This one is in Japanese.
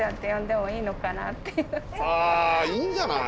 あいいんじゃない？